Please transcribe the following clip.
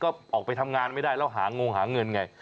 ก็ออกไปทำงานไม่ได้แล้วหางงหาเงินไง